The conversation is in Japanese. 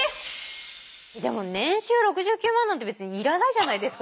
じゃあもう年収６９万なんて別に要らないじゃないですか